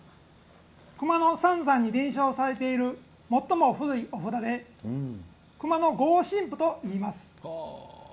熊野三山に伝承されている最も古いお札で熊野牛王神符といいます。